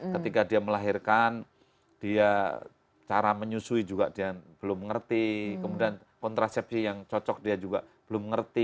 ketika dia melahirkan dia cara menyusui juga dia belum mengerti kemudian kontrasepsi yang cocok dia juga belum mengerti